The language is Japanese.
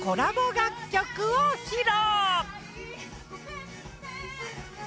楽曲を披露。